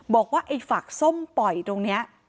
บอกว่าไอ้ฝักส้มปล่อยตรงนี้